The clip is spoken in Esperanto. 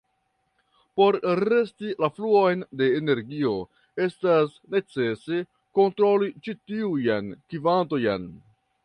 Por regi la fluon de energio estas necese kontroli ĉi tiujn kvantojn.